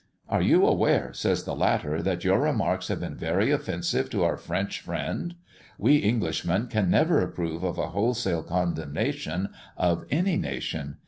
"Are you aware," says the latter, "that your remarks have been very offensive to our French friend? We Englishmen can never approve of a wholesale condemnation of any nation.